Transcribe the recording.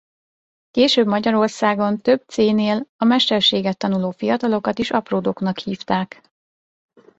Később Magyarországon több céhnél a mesterséget tanuló fiatalokat is apródoknak hívták.